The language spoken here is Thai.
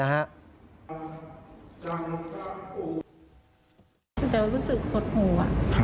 สุดท้ายรู้สึกหดหู่